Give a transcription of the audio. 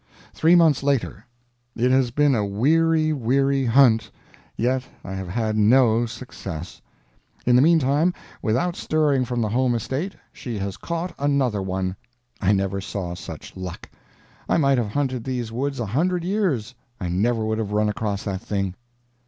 THREE MONTHS LATER. It has been a weary, weary hunt, yet I have had no success. In the mean time, without stirring from the home estate, she has caught another one! I never saw such luck. I might have hunted these woods a hundred years, I never would have run across that thing.